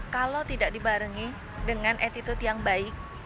kalau tidak dibarengi dengan attitude yang baik